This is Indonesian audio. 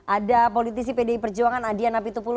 ada politisi pdi perjuangan adian apitupulu